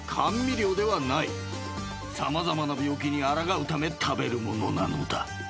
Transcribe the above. ［様々な病気にあらがうため食べるものなのだ］